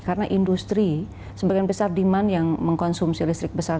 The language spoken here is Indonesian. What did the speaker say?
karena industri sebagian besar demand yang mengkonsumsi listrik besar